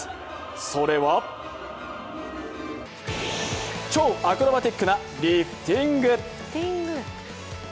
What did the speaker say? それは超アクロバティックなリフティング。